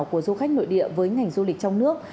của du khách nội địa với ngành du lịch trong nước